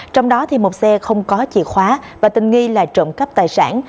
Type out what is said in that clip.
trong đó một xe không có chìa khóa và tình nghi là trộm cắp tài sản